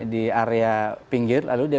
di area pinggir lalu dia